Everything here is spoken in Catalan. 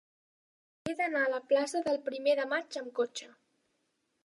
He d'anar a la plaça del Primer de Maig amb cotxe.